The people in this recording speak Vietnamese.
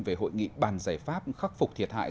về hội nghị bàn giải pháp khắc phục thiệt hại